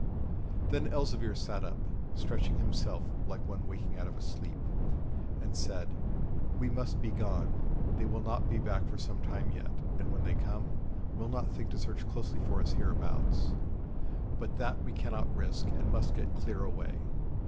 Then Elzevir sat up, stretching himself like one waking out of sleep, and said: 'We must be gone. They will not be back for some time yet, and, when they come, will not think to search closely for us hereabouts; but that we cannot risk, and must get clear away.